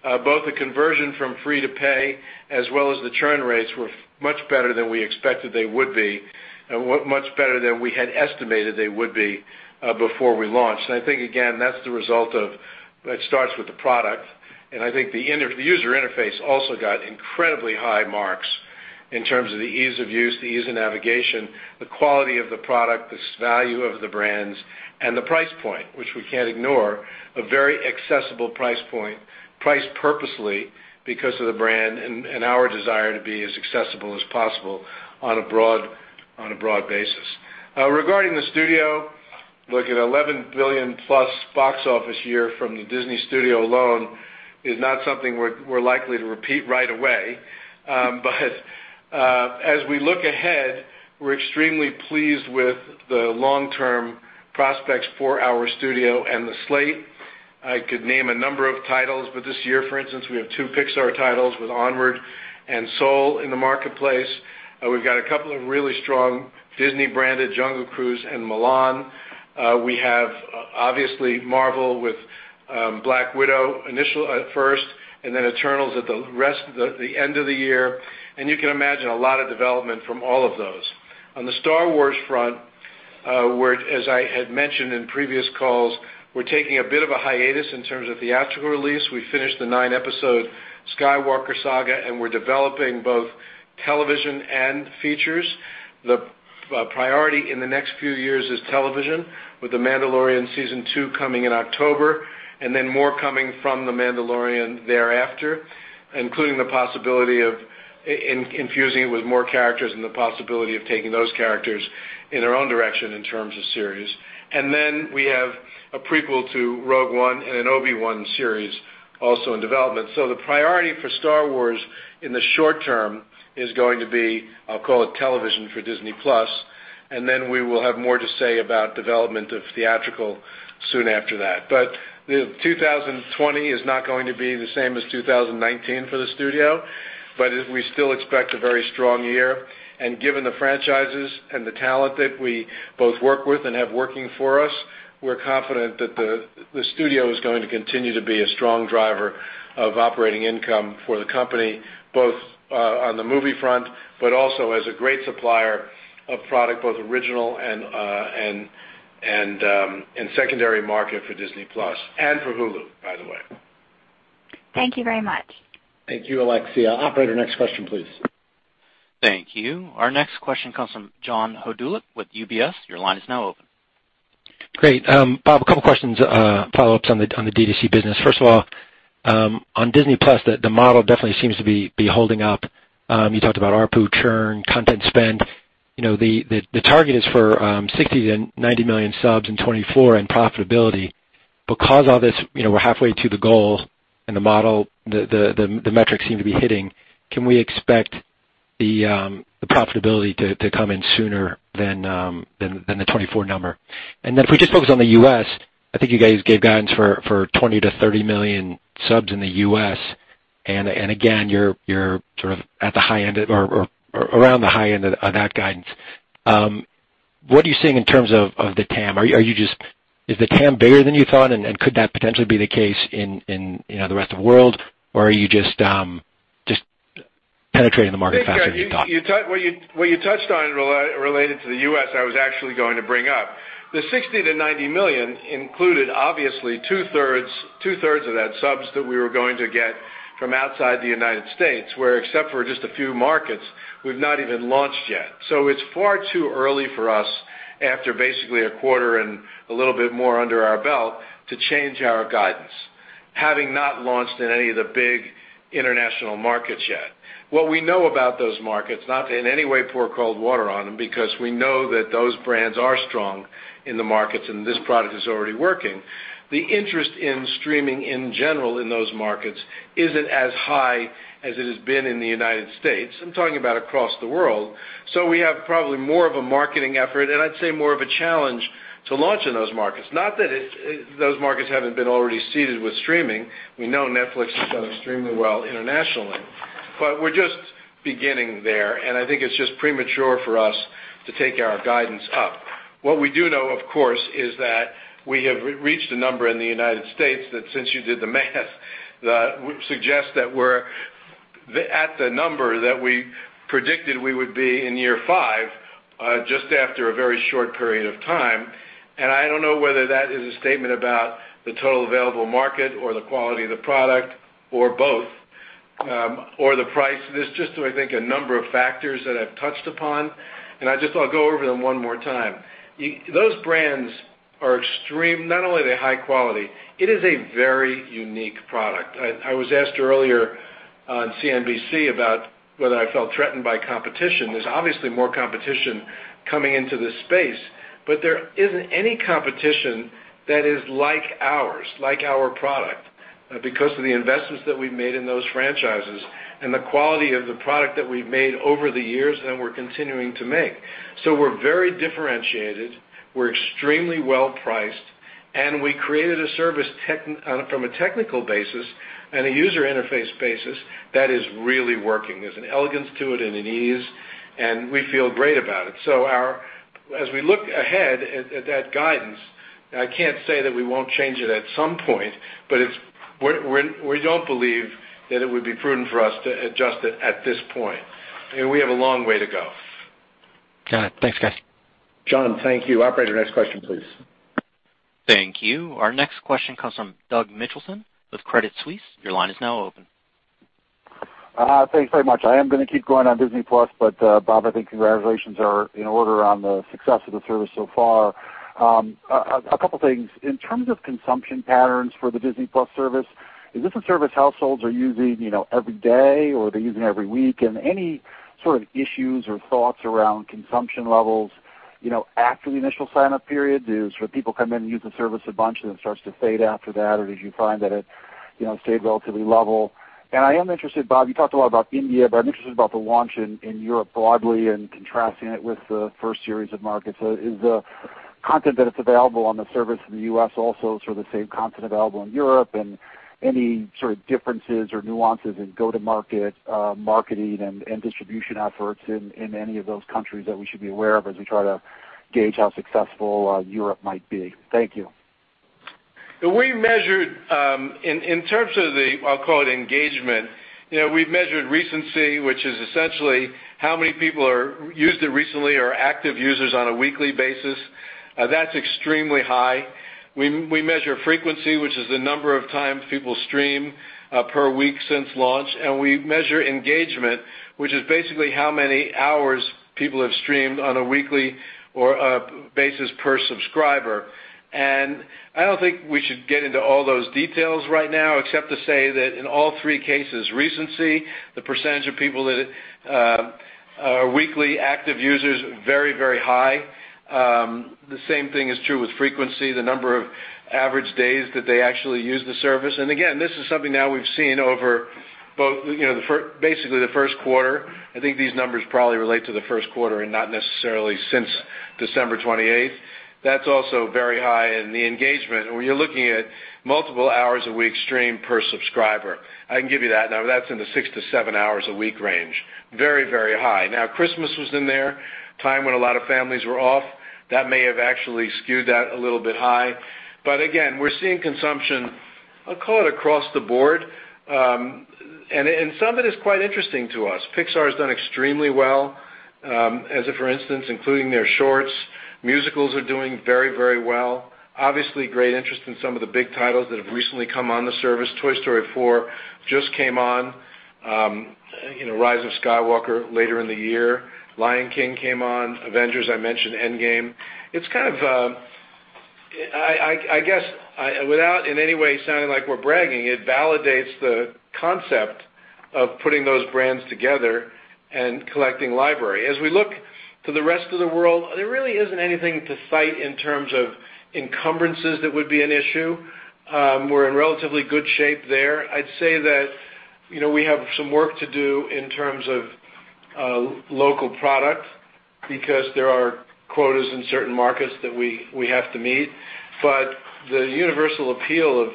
both the conversion from free to pay as well as the churn rates were much better than we expected they would be and much better than we had estimated they would be before we launched. I think, again, that's the result of it starts with the product, and I think the user interface also got incredibly high marks in terms of the ease of use, the ease of navigation, the quality of the product, this value of the brands, and the price point, which we can't ignore, a very accessible price point, priced purposely because of the brand and our desire to be as accessible as possible on a broad basis. Regarding the studio, look at $11+ billion box office year from the Disney Studio alone is not something we're likely to repeat right away. As we look ahead, we're extremely pleased with the long-term prospects for our studio and the slate. I could name a number of titles, but this year, for instance, we have two Pixar titles with "Onward" and "Soul" in the marketplace. We've got a couple of really strong Disney-branded, "Jungle Cruise" and "Mulan." We have, obviously, Marvel with "Black Widow" initial at first, and then "Eternals" at the end of the year. You can imagine a lot of development from all of those. On the Star Wars front, where, as I had mentioned in previous calls, we're taking a bit of a hiatus in terms of theatrical release. We finished the nine-episode Skywalker Saga, and we're developing both television and features. The priority in the next few years is television with The Mandalorian Season 2 coming in October, and then more coming from The Mandalorian thereafter, including the possibility of infusing it with more characters and the possibility of taking those characters in their own direction in terms of series. We have a prequel to Rogue One and an Obi-Wan series also in development. The priority for Star Wars in the short term is going to be, I'll call it television for Disney+, and then we will have more to say about development of theatrical soon after that. 2020 is not going to be the same as 2019 for the studio, but we still expect a very strong year. Given the franchises and the talent that we both work with and have working for us, we're confident that the studio is going to continue to be a strong driver of operating income for the company, both on the movie front, but also as a great supplier of product, both original and secondary market for Disney+ and for Hulu, by the way. Thank you very much. Thank you, Alexia. Operator, next question, please. Thank you. Our next question comes from John Hodulik with UBS. Your line is now open. Great. Bob, a couple questions, follow-ups on the D2C business. First of all, on Disney+, the model definitely seems to be holding up. You talked about ARPU, churn, content spend. The target is for $60 million-$90 million subs in 2024 and profitability. All this, we're halfway to the goal and the model, the metrics seem to be hitting, can we expect the profitability to come in sooner than the 2024 number? If we just focus on the U.S., I think you guys gave guidance for $20 million-$30 million subs in the U.S., and again, you're sort of at the high end or around the high end of that guidance. What are you seeing in terms of the TAM? Is the TAM bigger than you thought, and could that potentially be the case in the rest of the world? Are you just penetrating the market faster than you thought? What you touched on related to the U.S., I was actually going to bring up. The $60 million-$90 million included, obviously, two-thirds of that subs that we were going to get from outside the U.S., where except for just a few markets, we've not even launched yet. It's far too early for us after basically a quarter and a little bit more under our belt to change our guidance, having not launched in any of the big international markets yet. What we know about those markets, not in any way pour cold water on them, because we know that those brands are strong in the markets and this product is already working. The interest in streaming in general in those markets isn't as high as it has been in the U.S. I'm talking about across the world. We have probably more of a marketing effort, and I'd say more of a challenge to launch in those markets. Not that those markets haven't been already seeded with streaming. We know Netflix has done extremely well internationally. We're just beginning there, and I think it's just premature for us to take our guidance up. What we do know, of course, is that we have reached a number in the U.S. that since you did the math, that would suggest that we're at the number that we predicted we would be in year five just after a very short period of time, and I don't know whether that is a statement about the total available market or the quality of the product or both or the price. There's just, I think a number of factors that I've touched upon, and I just thought I'll go over them one more time. Those brands are extreme. Not only are they high quality, it is a very unique product. I was asked earlier on CNBC about whether I felt threatened by competition. There's obviously more competition coming into this space, but there isn't any competition that is like ours, like our product because of the investments that we've made in those franchises and the quality of the product that we've made over the years and we're continuing to make. We're very differentiated, we're extremely well-priced, and we created a service from a technical basis and a user interface basis that is really working. There's an elegance to it and an ease, and we feel great about it. As we look ahead at that guidance, I can't say that we won't change it at some point, but we don't believe that it would be prudent for us to adjust it at this point. We have a long way to go. Got it. Thanks guys. John, thank you. Operator, next question, please. Thank you. Our next question comes from Doug Mitchelson with Credit Suisse. Your line is now open. Thanks very much. I am going to keep going on Disney+. Bob, I think congratulations are in order on the success of the service so far. A couple things. In terms of consumption patterns for the Disney+ service, is this a service households are using every day or are they using every week? Any sort of issues or thoughts around consumption levels after the initial sign-up period? Do people come in and use the service a bunch and then it starts to fade after that or did you find that it stayed relatively level? I am interested, Bob, you talked a lot about India, but I'm interested about the launch in Europe broadly and contrasting it with the first series of markets. Is the content that is available on the service in the U.S. also sort of the same content available in Europe? Any sort of differences or nuances in go-to-market marketing and distribution efforts in any of those countries that we should be aware of as we try to gauge how successful Europe might be? Thank you. We measured in terms of the, I'll call it engagement. We've measured recency, which is essentially how many people used it recently or are active users on a weekly basis. That's extremely high. We measure frequency, which is the number of times people stream per week since launch. We measure engagement, which is basically how many hours people have streamed on a weekly basis per subscriber. I don't think we should get into all those details right now except to say that in all three cases, recency, the percentage of people that are weekly active users, very high. The same thing is true with frequency, the number of average days that they actually use the service. Again, this is something now we've seen over basically the first quarter. I think these numbers probably relate to the first quarter and not necessarily since December 28th. That's also very high in the engagement. When you're looking at multiple hours a week streamed per subscriber, I can give you that now. That's in the six to seven hours a week range. Very high. Christmas was in there, time when a lot of families were off. That may have actually skewed that a little bit high. Again, we're seeing consumption, I'll call it across the board. Some of it is quite interesting to us. Pixar has done extremely well as of, for instance, including their shorts. Musicals are doing very well. Obviously great interest in some of the big titles that have recently come on the service. Toy Story 4 just came on. Rise of Skywalker later in the year. Lion King came on. Avengers," I mentioned "Endgame." I guess without in any way sounding like we're bragging, it validates the concept of putting those brands together and collecting library. As we look to the rest of the world, there really isn't anything to cite in terms of encumbrances that would be an issue. We're in relatively good shape there. I'd say that we have some work to do in terms of local product because there are quotas in certain markets that we have to meet. The universal appeal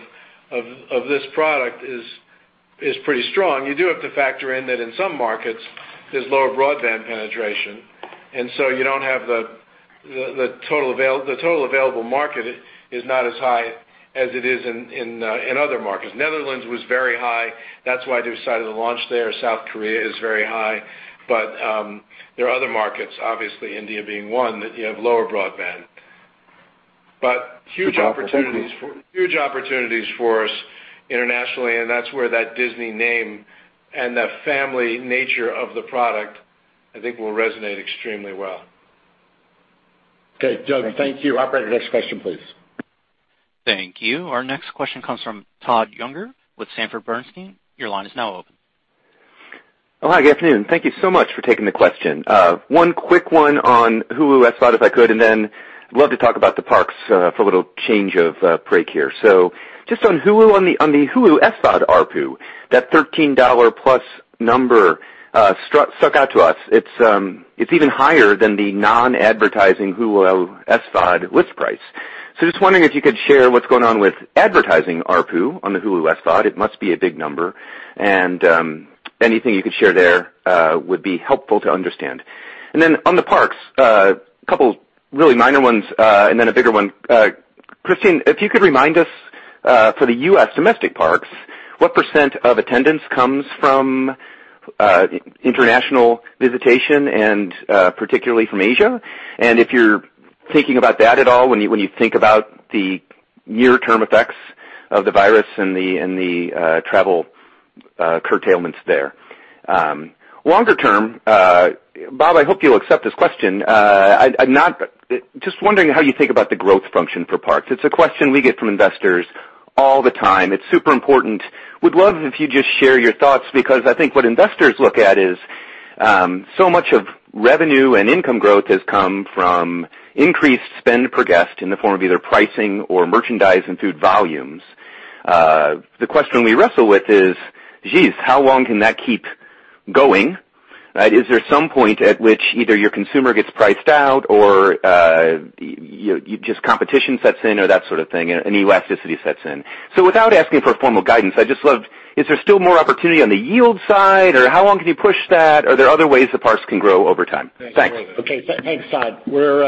of this product is pretty strong. You do have to factor in that in some markets, there's lower broadband penetration. The total available market is not as high as it is in other markets. Netherlands was very high. That's why they decided to launch there. South Korea is very high. There are other markets, obviously India being one, that you have lower broadband. Huge opportunities for us internationally, and that's where that Disney name and the family nature of the product, I think will resonate extremely well. Okay, Doug, thank you. Operator, next question, please. Thank you. Our next question comes from Todd Juenger with Sanford Bernstein. Your line is now open. Hi, good afternoon. Thank you so much for taking the question. One quick one on Hulu SVOD if I could. Then I'd love to talk about the parks for a little change of break here. Just on Hulu, on the Hulu SVOD ARPU, that $13+ number stuck out to us. It's even higher than the non-advertising Hulu SVOD list price. Just wondering if you could share what's going on with advertising ARPU on the Hulu SVOD. It must be a big number. Anything you could share there would be helpful to understand. Then on the parks, a couple really minor ones and then a bigger one. Christine, if you could remind us for the U.S. domestic parks, what percent of attendance comes from international visitation and particularly from Asia? If you're thinking about that at all when you think about the near-term effects of the coronavirus and the travel curtailments there. Longer term, Bob, I hope you'll accept this question. Just wondering how you think about the growth function for parks. It's a question we get from investors all the time. It's super important. Would love if you just share your thoughts because I think what investors look at is so much of revenue and income growth has come from increased spend per guest in the form of either pricing or merchandise and food volumes. The question we wrestle with is, geez, how long can that keep going, right? Is there some point at which either your consumer gets priced out or just competition sets in or that sort of thing and elasticity sets in? Without asking for formal guidance, I'd just love, is there still more opportunity on the yield side or how long can you push that? Are there other ways the parks can grow over time? Thanks. Okay, thanks, Todd. We'll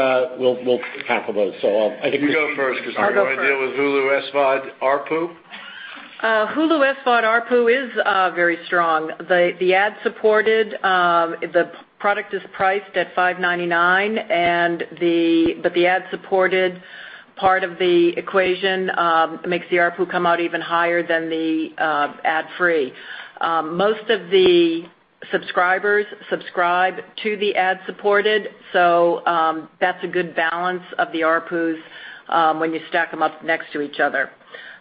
tackle those. You go first because I want to deal with Hulu SVOD ARPU. Hulu SVOD ARPU is very strong. The ad-supported, the product is priced at $5.99, but the ad-supported part of the equation makes the ARPU come out even higher than the ad-free. Most of the subscribers subscribe to the ad-supported, so that's a good balance of the ARPUs when you stack them up next to each other.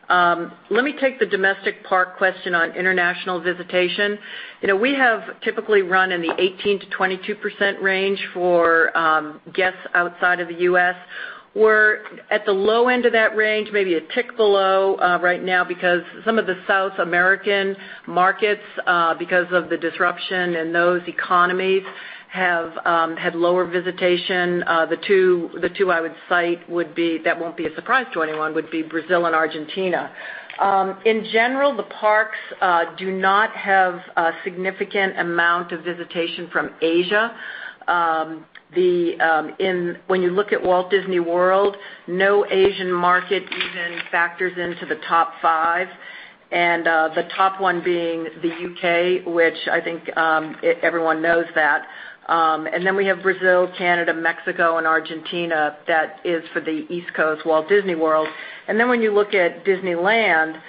Let me take the domestic park question on international visitation. We have typically run in the 18%-22% range for guests outside of the U.S. We're at the low end of that range, maybe a tick below right now because some of the South American markets, because of the disruption in those economies, have had lower visitation. The two I would cite that won't be a surprise to anyone would be Brazil and Argentina. In general, the parks do not have a significant amount of visitation from Asia. When you look at Walt Disney World, no Asian market even factors into the top five, and the top one being the U.K., which I think everyone knows that. We have Brazil, Canada, Mexico, and Argentina. That is for the East Coast Walt Disney World. When you look at Disneyland,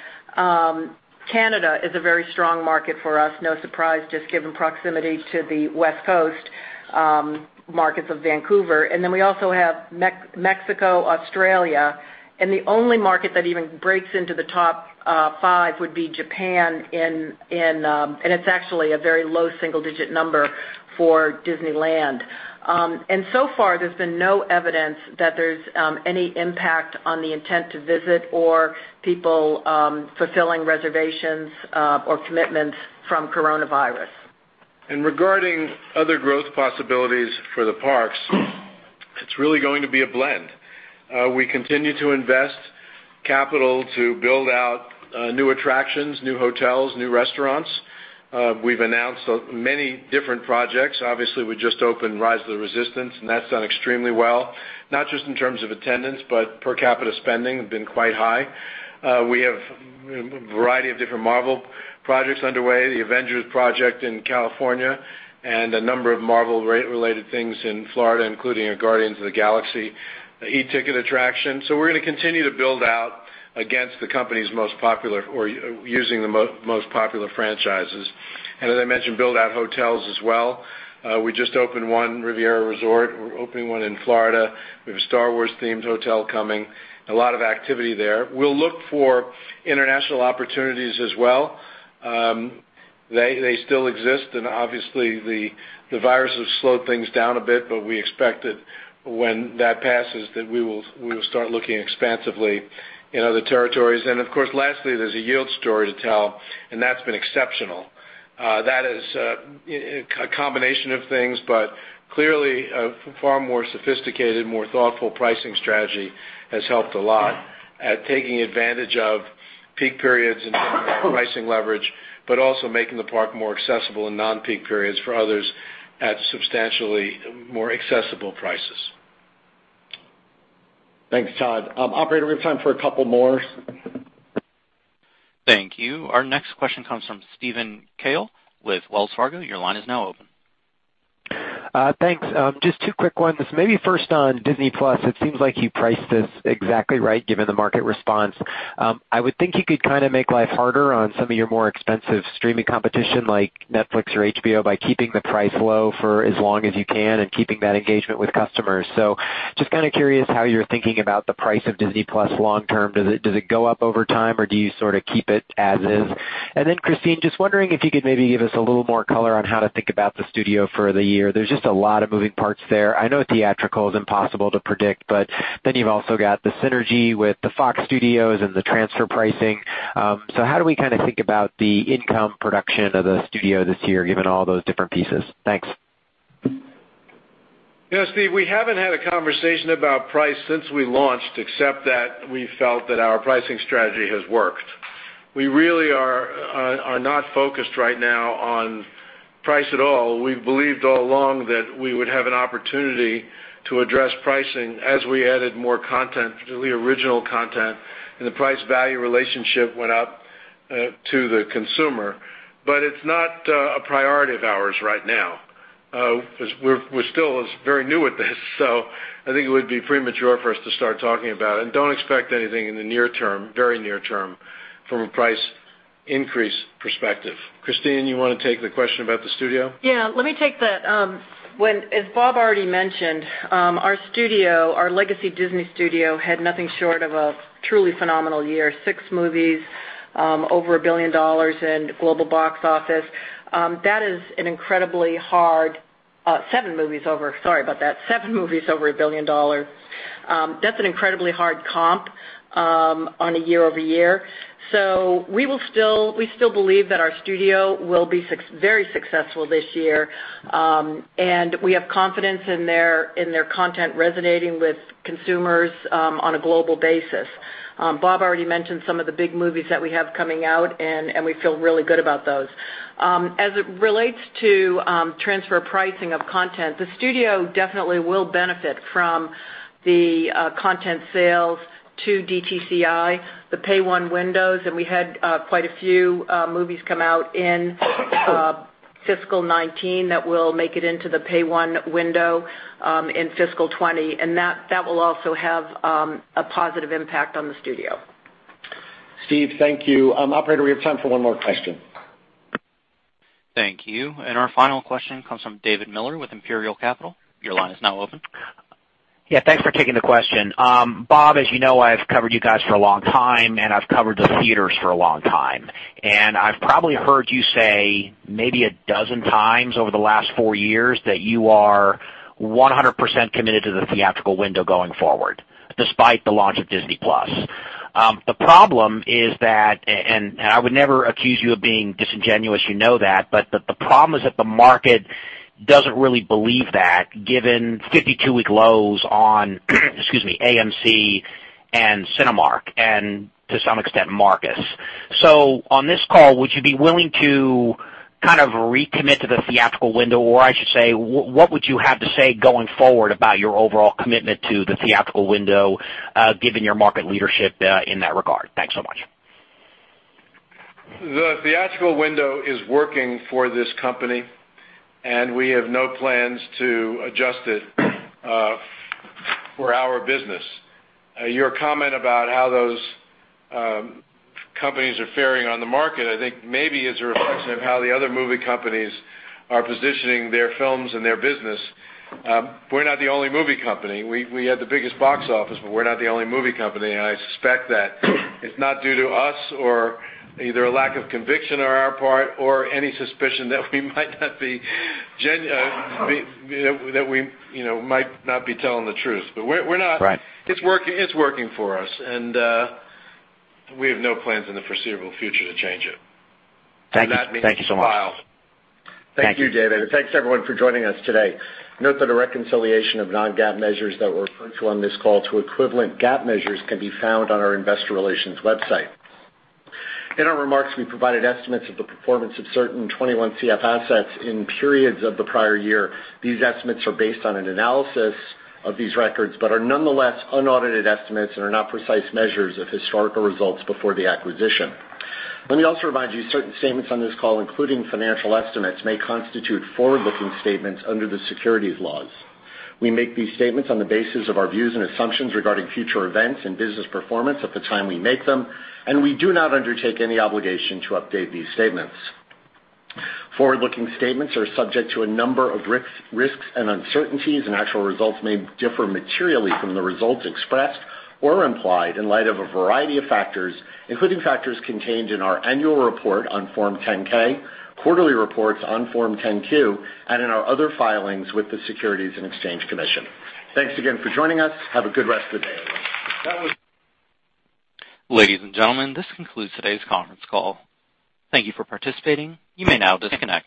Canada is a very strong market for us. No surprise, just given proximity to the West Coast markets of Vancouver. We also have Mexico, Australia, and the only market that even breaks into the top five would be Japan, and it's actually a very low single-digit number for Disneyland. So far, there's been no evidence that there's any impact on the intent to visit or people fulfilling reservations or commitments from coronavirus. Regarding other growth possibilities for the parks, it's really going to be a blend. We continue to invest capital to build out new attractions, new hotels, new restaurants. We've announced many different projects. Obviously, we just opened Rise of the Resistance, and that's done extremely well, not just in terms of attendance, but per capita spending has been quite high. We have a variety of different Marvel projects underway, the Avengers project in California, and a number of Marvel-related things in Florida, including a Guardians of the Galaxy e-ticket attraction. We're going to continue to build out against the company's most popular or using the most popular franchises. As I mentioned, build out hotels as well. We just opened one Riviera Resort. We're opening one in Florida. We have a Star Wars-themed hotel coming. A lot of activity there. We'll look for international opportunities as well. They still exist and obviously the virus has slowed things down a bit, but we expect that when that passes, that we will start looking expansively in other territories. Of course, lastly, there's a yield story to tell, and that's been exceptional. That is a combination of things, but clearly a far more sophisticated, more thoughtful pricing strategy has helped a lot at taking advantage of peak periods and pricing leverage, but also making the park more accessible in non-peak periods for others at substantially more accessible prices. Thanks, Todd. Operator, we have time for a couple more. Thank you. Our next question comes from Steven Cahall with Wells Fargo. Your line is now open. Thanks. Just two quick ones. First on Disney+. It seems like you priced this exactly right, given the market response. I would think you could make life harder on some of your more expensive streaming competition, like Netflix or HBO, by keeping the price low for as long as you can and keeping that engagement with customers. Just curious how you're thinking about the price of Disney+ long term. Does it go up over time, or do you sort of keep it as is? Christine, just wondering if you could maybe give us a little more color on how to think about the studio for the year. There's just a lot of moving parts there. I know theatrical is impossible to predict, but then you've also got the synergy with the Fox Studios and the transfer pricing. How do we think about the income production of the studio this year, given all those different pieces? Thanks. Yeah, Steve, we haven't had a conversation about price since we launched, except that we felt that our pricing strategy has worked. We really are not focused right now on price at all. We believed all along that we would have an opportunity to address pricing as we added more content, particularly original content, and the price-value relationship went up to the consumer. It's not a priority of ours right now. We're still very new at this, so I think it would be premature for us to start talking about it, and don't expect anything in the near term, very near term, from a price increase perspective. Christine, you want to take the question about the studio? Yeah, let me take that. As Bob already mentioned, our studio, our legacy Disney studio, had nothing short of a truly phenomenal year. Six movies, over $1 billion in global box office. Seven movies over, sorry about that. Seven movies over $1 billion. That's an incredibly hard comp on a year-over-year. We still believe that our studio will be very successful this year. We have confidence in their content resonating with consumers on a global basis. Bob already mentioned some of the big movies that we have coming out, and we feel really good about those. As it relates to transfer pricing of content, the studio definitely will benefit from the content sales to DTCI, the Pay 1 windows, and we had quite a few movies come out in fiscal 2019 that will make it into the Pay 1 window in fiscal 2020. That will also have a positive impact on the studio. Steve, thank you. Operator, we have time for one more question. Thank you. Our final question comes from David Miller with Imperial Capital. Your line is now open. Yeah. Thanks for taking the question. Bob, as you know, I've covered you guys for a long time, and I've covered the theaters for a long time. I've probably heard you say maybe a dozen times over the last four years that you are 100% committed to the theatrical window going forward, despite the launch of Disney+. The problem is that, and I would never accuse you of being disingenuous, you know that, but the problem is that the market doesn't really believe that given 52-week lows on excuse me, AMC and Cinemark and to some extent, Marcus. On this call, would you be willing to kind of recommit to the theatrical window? I should say, what would you have to say going forward about your overall commitment to the theatrical window, given your market leadership in that regard? Thanks so much. The theatrical window is working for this company, and we have no plans to adjust it for our business. Your comment about how those companies are faring on the market, I think, maybe is a reflection of how the other movie companies are positioning their films and their business. We're not the only movie company. We had the biggest box office, but we're not the only movie company. I suspect that it's not due to us or either a lack of conviction on our part or any suspicion that we might not be telling the truth. We're not. Right. It's working for us, and we have no plans in the foreseeable future to change it. Thank you. Thank you so much. Thank you, David, and thanks everyone for joining us today. Note that a reconciliation of non-GAAP measures that were referred to on this call to equivalent GAAP measures can be found on our investor relations website. In our remarks, we provided estimates of the performance of certain 21 CF assets in periods of the prior year. These estimates are based on an analysis of these records but are nonetheless unaudited estimates and are not precise measures of historical results before the acquisition. Let me also remind you, certain statements on this call, including financial estimates, may constitute forward-looking statements under the securities laws. We make these statements on the basis of our views and assumptions regarding future events and business performance at the time we make them, and we do not undertake any obligation to update these statements. Forward-looking statements are subject to a number of risks and uncertainties, and actual results may differ materially from the results expressed or implied in light of a variety of factors, including factors contained in our annual report on Form 10-K, quarterly reports on Form 10-Q, and in our other filings with the Securities and Exchange Commission. Thanks again for joining us. Have a good rest of the day, everyone. Ladies and gentlemen, this concludes today's conference call. Thank you for participating. You may now disconnect.